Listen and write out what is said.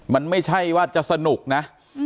มันไม่ใช่ว่าจะสนุกนะ